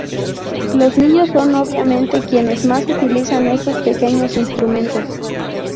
Los niños son obviamente quienes más utilizan estos pequeños instrumentos.